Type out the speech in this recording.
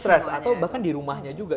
stres atau bahkan di rumahnya juga